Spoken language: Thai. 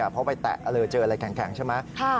เพราะไปแตะเจออะไรแข็งใช่ไหม